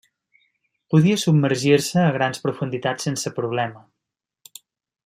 Podia submergir-se a grans profunditats sense problema.